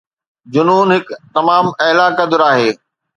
جنون هڪ تمام اعلي قدر آهي.